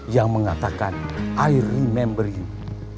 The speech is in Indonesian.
yang mengatakan i remember you